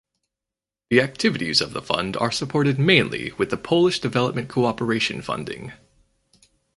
The activities of the Fund are supported mainly with the Polish Development Cooperation funding.